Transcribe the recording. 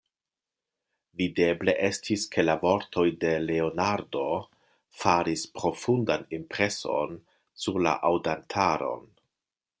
Videble estis, ke la vortoj de Leonardo faris profundan impreson sur la aŭdantaron.